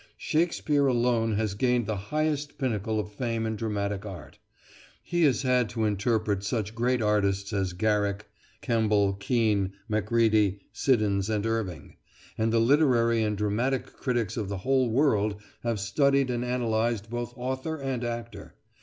Shakespeare alone has gained the highest pinnacle of fame in dramatic art. He has had to interpret him such great artists as Garrick, Kemble, Kean, Macready, Siddons, and Irving; and the literary and dramatic critics of the whole world have studied and analysed both author and actor.